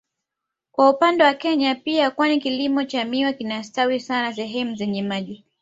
Kwa upande wa Kenya pia kwani kilimo cha miwa kinastawi sana sehemu zenye maji